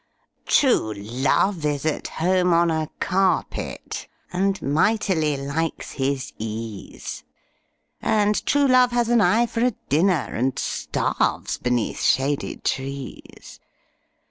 True love is at home on a carpet, And mightily likes his ease And true love has an eye for a dinner, And starves beneath shady trees.